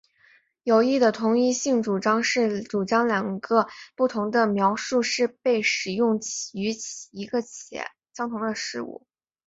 有益的同一性主张是主张两个不同的描述是被使用于一个且相同的事物。